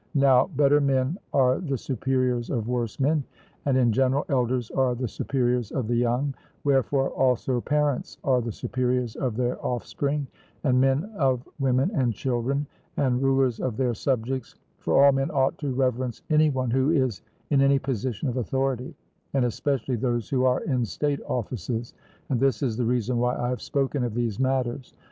Now better men are the superiors of worse men, and in general elders are the superiors of the young; wherefore also parents are the superiors of their offspring, and men of women and children, and rulers of their subjects; for all men ought to reverence any one who is in any position of authority, and especially those who are in state offices. And this is the reason why I have spoken of these matters.